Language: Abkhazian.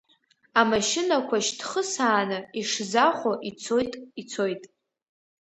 Амашьынақәа шьҭхысааны Ишзахәо ицоит, ицоит.